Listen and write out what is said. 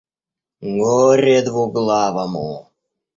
Горе двуглавому!